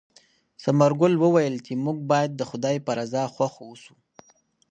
ثمرګل وویل چې موږ باید د خدای په رضا خوښ اوسو.